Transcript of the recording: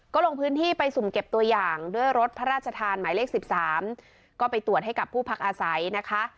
ก็ลงพื้นที่ไปสุ่มเก็บตัวอย่างด้วยรถพระราชทานหมายเลข๑๓ก็ไปตรวจให้กับผู้พักอาศัยนะคะ